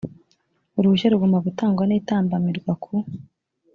uruhushya rugomba gutangwa n itambamirwa ku